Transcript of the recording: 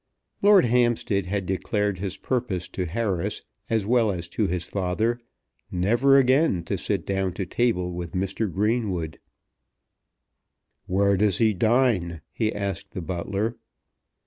Lord Hampstead had declared his purpose to Harris, as well as to his father, never again to sit down to table with Mr. Greenwood. "Where does he dine?" he asked the butler.